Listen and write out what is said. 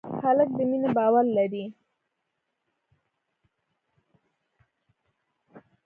هلک د مینې باور لري.